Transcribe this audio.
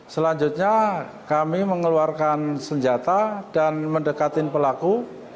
selanjutnya kami mengeluarkan senjata dan mendekatin pelaku